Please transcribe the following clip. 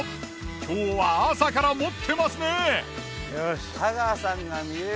今日は朝からもってますね！